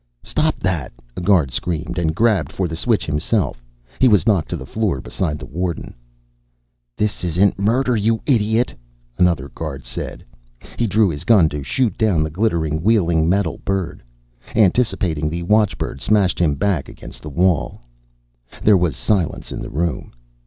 "Stop that!" a guard screamed, and grabbed for the switch himself. He was knocked to the floor beside the warden. "This isn't murder, you idiot!" another guard said. He drew his gun to shoot down the glittering, wheeling metal bird. Anticipating, the watchbird smashed him back against the wall. There was silence in the room.